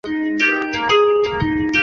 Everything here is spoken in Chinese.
另外与同行神谷明的交情很深。